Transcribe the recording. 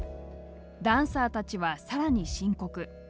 ダンサーたちは、さらに深刻。